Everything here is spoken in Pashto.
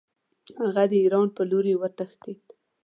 هغه د ایران په لوري وتښتېد.